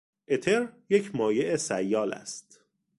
اتر یک مایع سیال است.